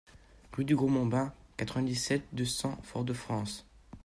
Rue du Gros Mombin, quatre-vingt-dix-sept, deux cents Fort-de-France